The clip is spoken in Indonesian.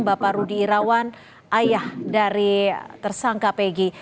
bapak rudy irawan ayah dari tersangka pegi